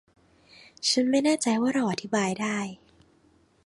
ฉันไม่แน่ใจว่าเราอธิบายได้